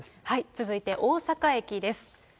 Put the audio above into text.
続いて、大阪駅です。